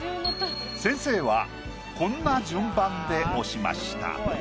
先生はこんな順番で押しました。